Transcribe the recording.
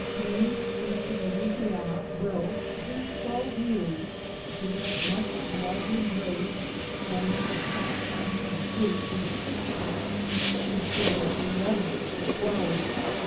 Cane sent to Louisiana will, within twelve years, produce much larger nodes owing to the plant having to fruit in six months instead of eleven or twelve.